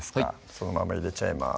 そのまま入れちゃいます